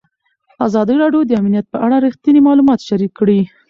ازادي راډیو د امنیت په اړه رښتیني معلومات شریک کړي.